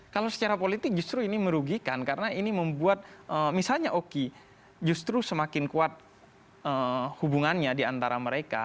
kalau secara politik justru ini merugikan karena ini membuat misalnya oki justru semakin kuat hubungannya diantara mereka